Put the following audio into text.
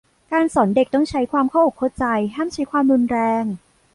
การสอนเด็กต้องใช้ความเข้าอกเข้าใจ ห้ามใช้ความรุนแรง